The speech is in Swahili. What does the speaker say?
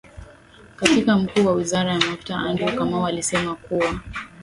Katibu Mkuu wa Wizara ya Mafuta Andrew Kamau alisema kuwa.